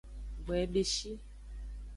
Gboyebeshi.